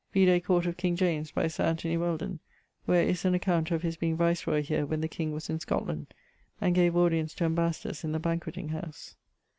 Vide Court of King James by Sir Anthony Welden, where is an account of his being viceroy here when the king was in Scotland, and gave audience to ambassadors in the banquetting house.